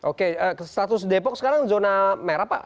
oke status depok sekarang zona merah pak